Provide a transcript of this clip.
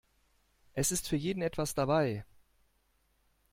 Es ist für jeden etwas dabei.